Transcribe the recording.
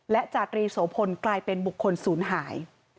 และจาตรีโสพลกลายเป็นบุคคลศูนย์หาย